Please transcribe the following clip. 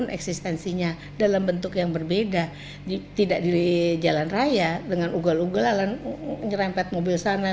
pertama para pelaku yang menyebut kaca depan mobilnya